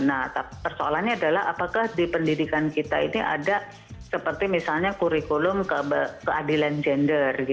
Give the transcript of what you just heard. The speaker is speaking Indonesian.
nah persoalannya adalah apakah di pendidikan kita ini ada seperti misalnya kurikulum keadilan gender